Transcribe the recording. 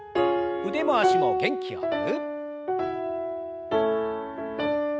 腕も脚も元気よく。